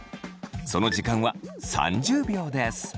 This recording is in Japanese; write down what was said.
その時間は３０秒です。